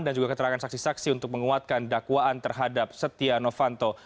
dan juga keterangan saksi saksi untuk menguatkan dakwaan terhadap setia novanto